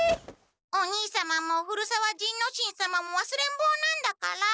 お兄様も古沢仁之進様もわすれんぼうなんだから。